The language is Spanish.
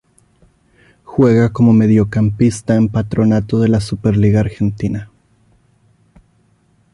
Juega como mediocampista en Patronato de la Superliga Argentina.